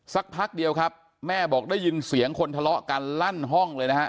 สักพักเดียวครับแม่บอกได้ยินเสียงคนทะเลาะกันลั่นห้องเลยนะฮะ